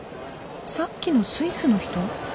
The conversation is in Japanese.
さっきのスイスの人？